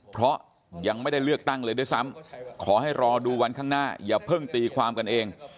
เพราะยังไม่ได้เลือกตั้งเลยด้วยซ้ำขอให้รอดูวันข้างหน้าอย่าเพิ่งตีความกันเอง